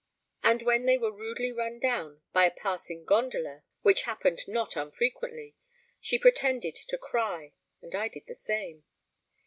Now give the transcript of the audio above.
And when they were rudely run down by a passing gondola (which happened not unfrequently) she pretended to cry, and I did the same.